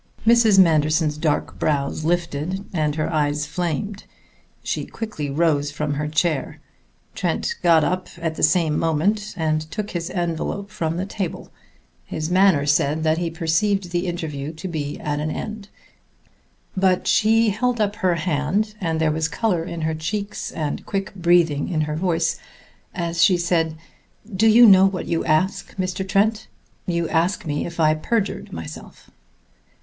Mrs. Manderson's dark brows lifted and her eyes flamed; she quickly rose from her chair. Trent got up at the same moment, and took his envelop from the table; his manner said that he perceived the interview to be at an end. But she held up a hand, and there was color in her cheeks and quick breathing in her voice as she said: "Do you know what you ask, Mr. Trent? You ask me if I perjured myself."